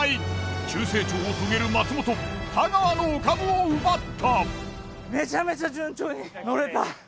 急成長を遂げる松本太川のお株を奪った！